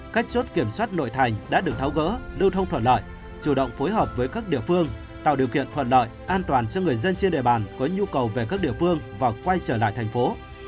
các chốt kiểm soát nội thành đã được tháo gỡ lưu thông thuận lợi chủ động phối hợp với các địa phương tạo điều kiện thuận lợi an toàn cho người dân trên địa bàn có nhu cầu về các địa phương và quay trở lại thành phố